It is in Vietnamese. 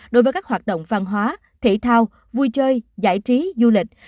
đối với các hoạt động văn hóa thể thao vui chơi giải trí du lịch